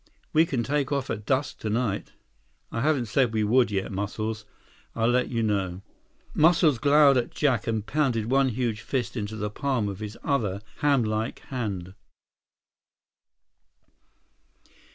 "We can take off at dusk tonight." "I haven't said we would yet, Muscles. I'll let you know." Muscles glowered at Jack and pounded one huge fist into the palm of his other hamlike hand.